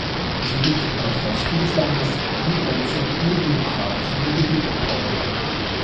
Sie liegt im Nordwesten des Landes, angrenzend an die Demokratische Republik Kongo.